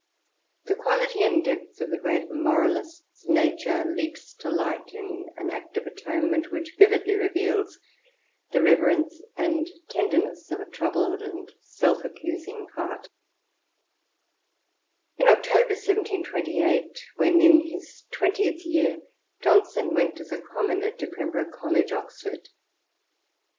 *' The quality and depth of the great moralist's nature leaps to light in an act of atonement which vividly reveals the rever ence and tenderness of a troubled and self accusing heart In October 1728, when in his twentieth year, Johnson went as a Commoner to Pembroke College, Oxford.